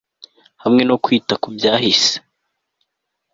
Hamwe no kwita kubyahise